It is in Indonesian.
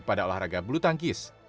pada olahraga bulutangkis